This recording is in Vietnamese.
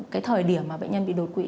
cái thời điểm mà bệnh nhân bị đột quỵ